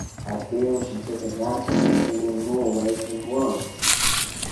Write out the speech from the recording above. I feel she took advantage of him in more ways than one.